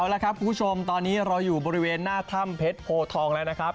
เอาละครับคุณผู้ชมตอนนี้เราอยู่บริเวณหน้าถ้ำเพชรโพทองแล้วนะครับ